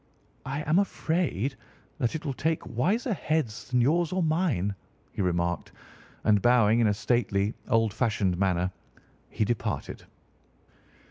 "I am afraid that it will take wiser heads than yours or mine," he remarked, and bowing in a stately, old fashioned manner he departed.